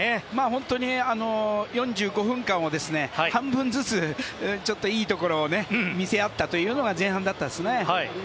本当に４５分間を半分ずつ、いいところね見せ合ったというのが前半だったですね。